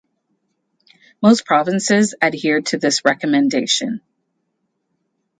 Most provinces adhered to this recommendation.